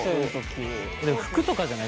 服とかじゃない？